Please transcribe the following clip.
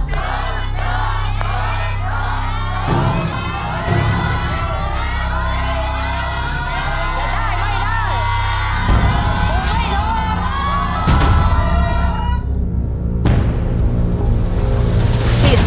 โลกโลกโลก